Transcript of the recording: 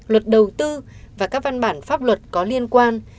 luật đầu tư và các văn bản pháp luật có liên quan